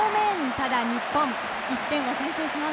ただ、日本１点を先制します。